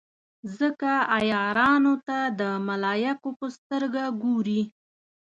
ځکه عیارانو ته د ملایکو په سترګه ګوري.